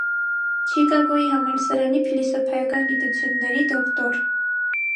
Չիկագոյի համալսարանի փիլիսոփայական գիտությունների դոկտոր։